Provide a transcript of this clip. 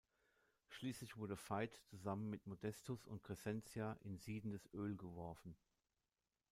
Schließlich wurde Veit zusammen mit Modestus und Crescentia in siedendes Öl geworfen.